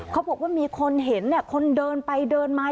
เขาบอกว่ามีคนเห็นคนเดินไปเดินมา